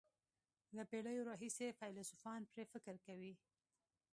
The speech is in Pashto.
له پېړیو راهیسې فیلسوفان پرې فکر کوي.